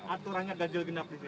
aturannya ganjil genap disini